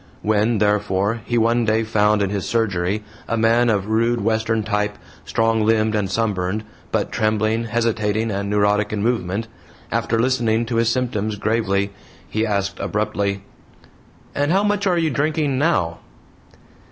When, therefore, he one day found in his surgery a man of rude Western type, strong limbed and sunburned, but trembling, hesitating and neurotic in movement, after listening to his symptoms gravely, he asked, abruptly: "And how much are you drinking now?"